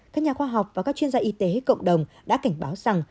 các nhà khoa học và các chuyên gia y tế cộng đồng đã cảnh báo rằng